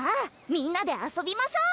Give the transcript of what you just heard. みんなで遊びましょう！